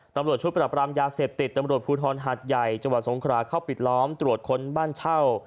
ตำลวดชุดประปรัำยาเสพติดตำลวดผูทรฮัตย์ใหญ่จังหวัดสงขราเข้าปิดล้อมตรวจคนบ้านเช่า